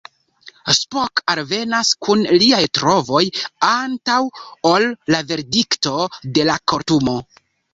Spock alvenas kun liaj trovoj antaŭ ol la verdikto de la kortumo.